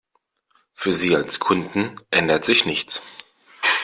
Für Sie als Kunden ändert sich nichts.